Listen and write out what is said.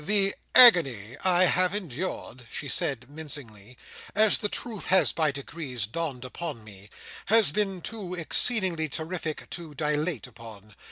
"The agony I have endured," she said mincingly, "as the truth has by degrees dawned upon me, has been too exceedingly terrific to dilate upon.